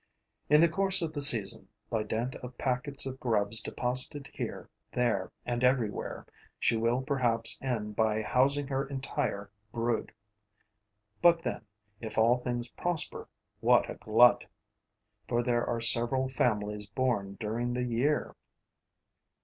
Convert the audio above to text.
In the course of the season, by dint of packets of grubs deposited here, there and everywhere, she will perhaps end by housing her entire brood. But then, if all things prosper, what a glut, for there are several families born during the year!